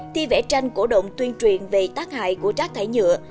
thi vẽ tranh cổ động tuyên truyền về tác hại của rác thải nhựa